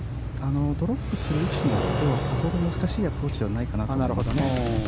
ドロップする位置によってはさほど難しいアプローチではないと思います。